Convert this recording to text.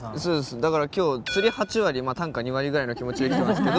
だから今日釣り８割短歌２割ぐらいの気持ちで来てますけど。